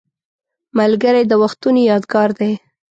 ملګری د وختونو یادګار دی